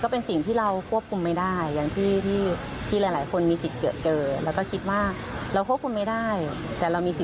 เพราะขวานหน้านี้ก็มีข่าวมาด้วยกัน